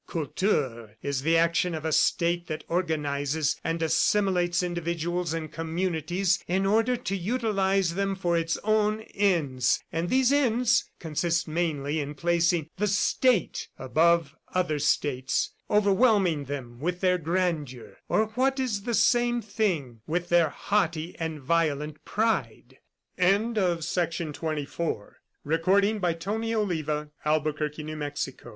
Kultur is the action of a State that organizes and assimilates individuals and communities in order to utilize them for its own ends; and these ends consist mainly in placing 'The State' above other states, overwhelming them with their grandeur or what is the same thing with their haughty and violent pride." By this time, the three had reached the place de l'Etoile. The dark outl